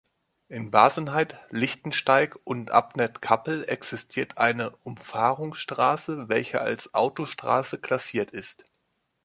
In Bazenheid, Lichtensteig und Ebnat-Kappel existiert eine Umfahrungsstrasse, welche als Autostrasse klassiert ist.